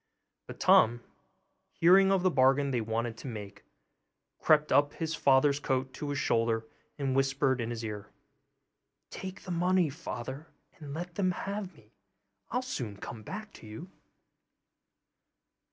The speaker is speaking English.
But Tom, hearing of the bargain they wanted to make, crept up his father's coat to his shoulder and whispered in his ear, 'Take the money, father, and let them have me; I'll soon come back to you.